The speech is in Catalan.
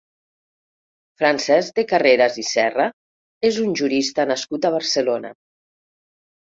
Francesc de Carreras i Serra és un jurista nascut a Barcelona.